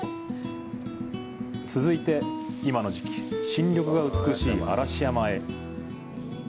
続いて、今の時期、新緑が美しい嵐山へ。